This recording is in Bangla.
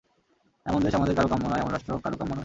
এমন দেশ আমাদের কারও কাম্য নয়, এমন রাষ্ট্র কারও কাম্য নয়।